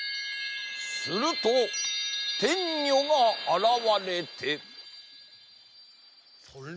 するとてんにょがあらわれて。